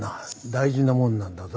大事なものなんだぞ。